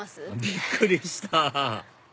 びっくりした！